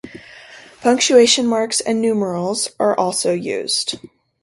Punctuation marks and numerals are also used.